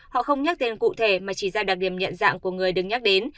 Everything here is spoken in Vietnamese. họ không nhắc tên cụ thể mà chỉ ra đặc điểm nhận dạng của người đứng nhắc đến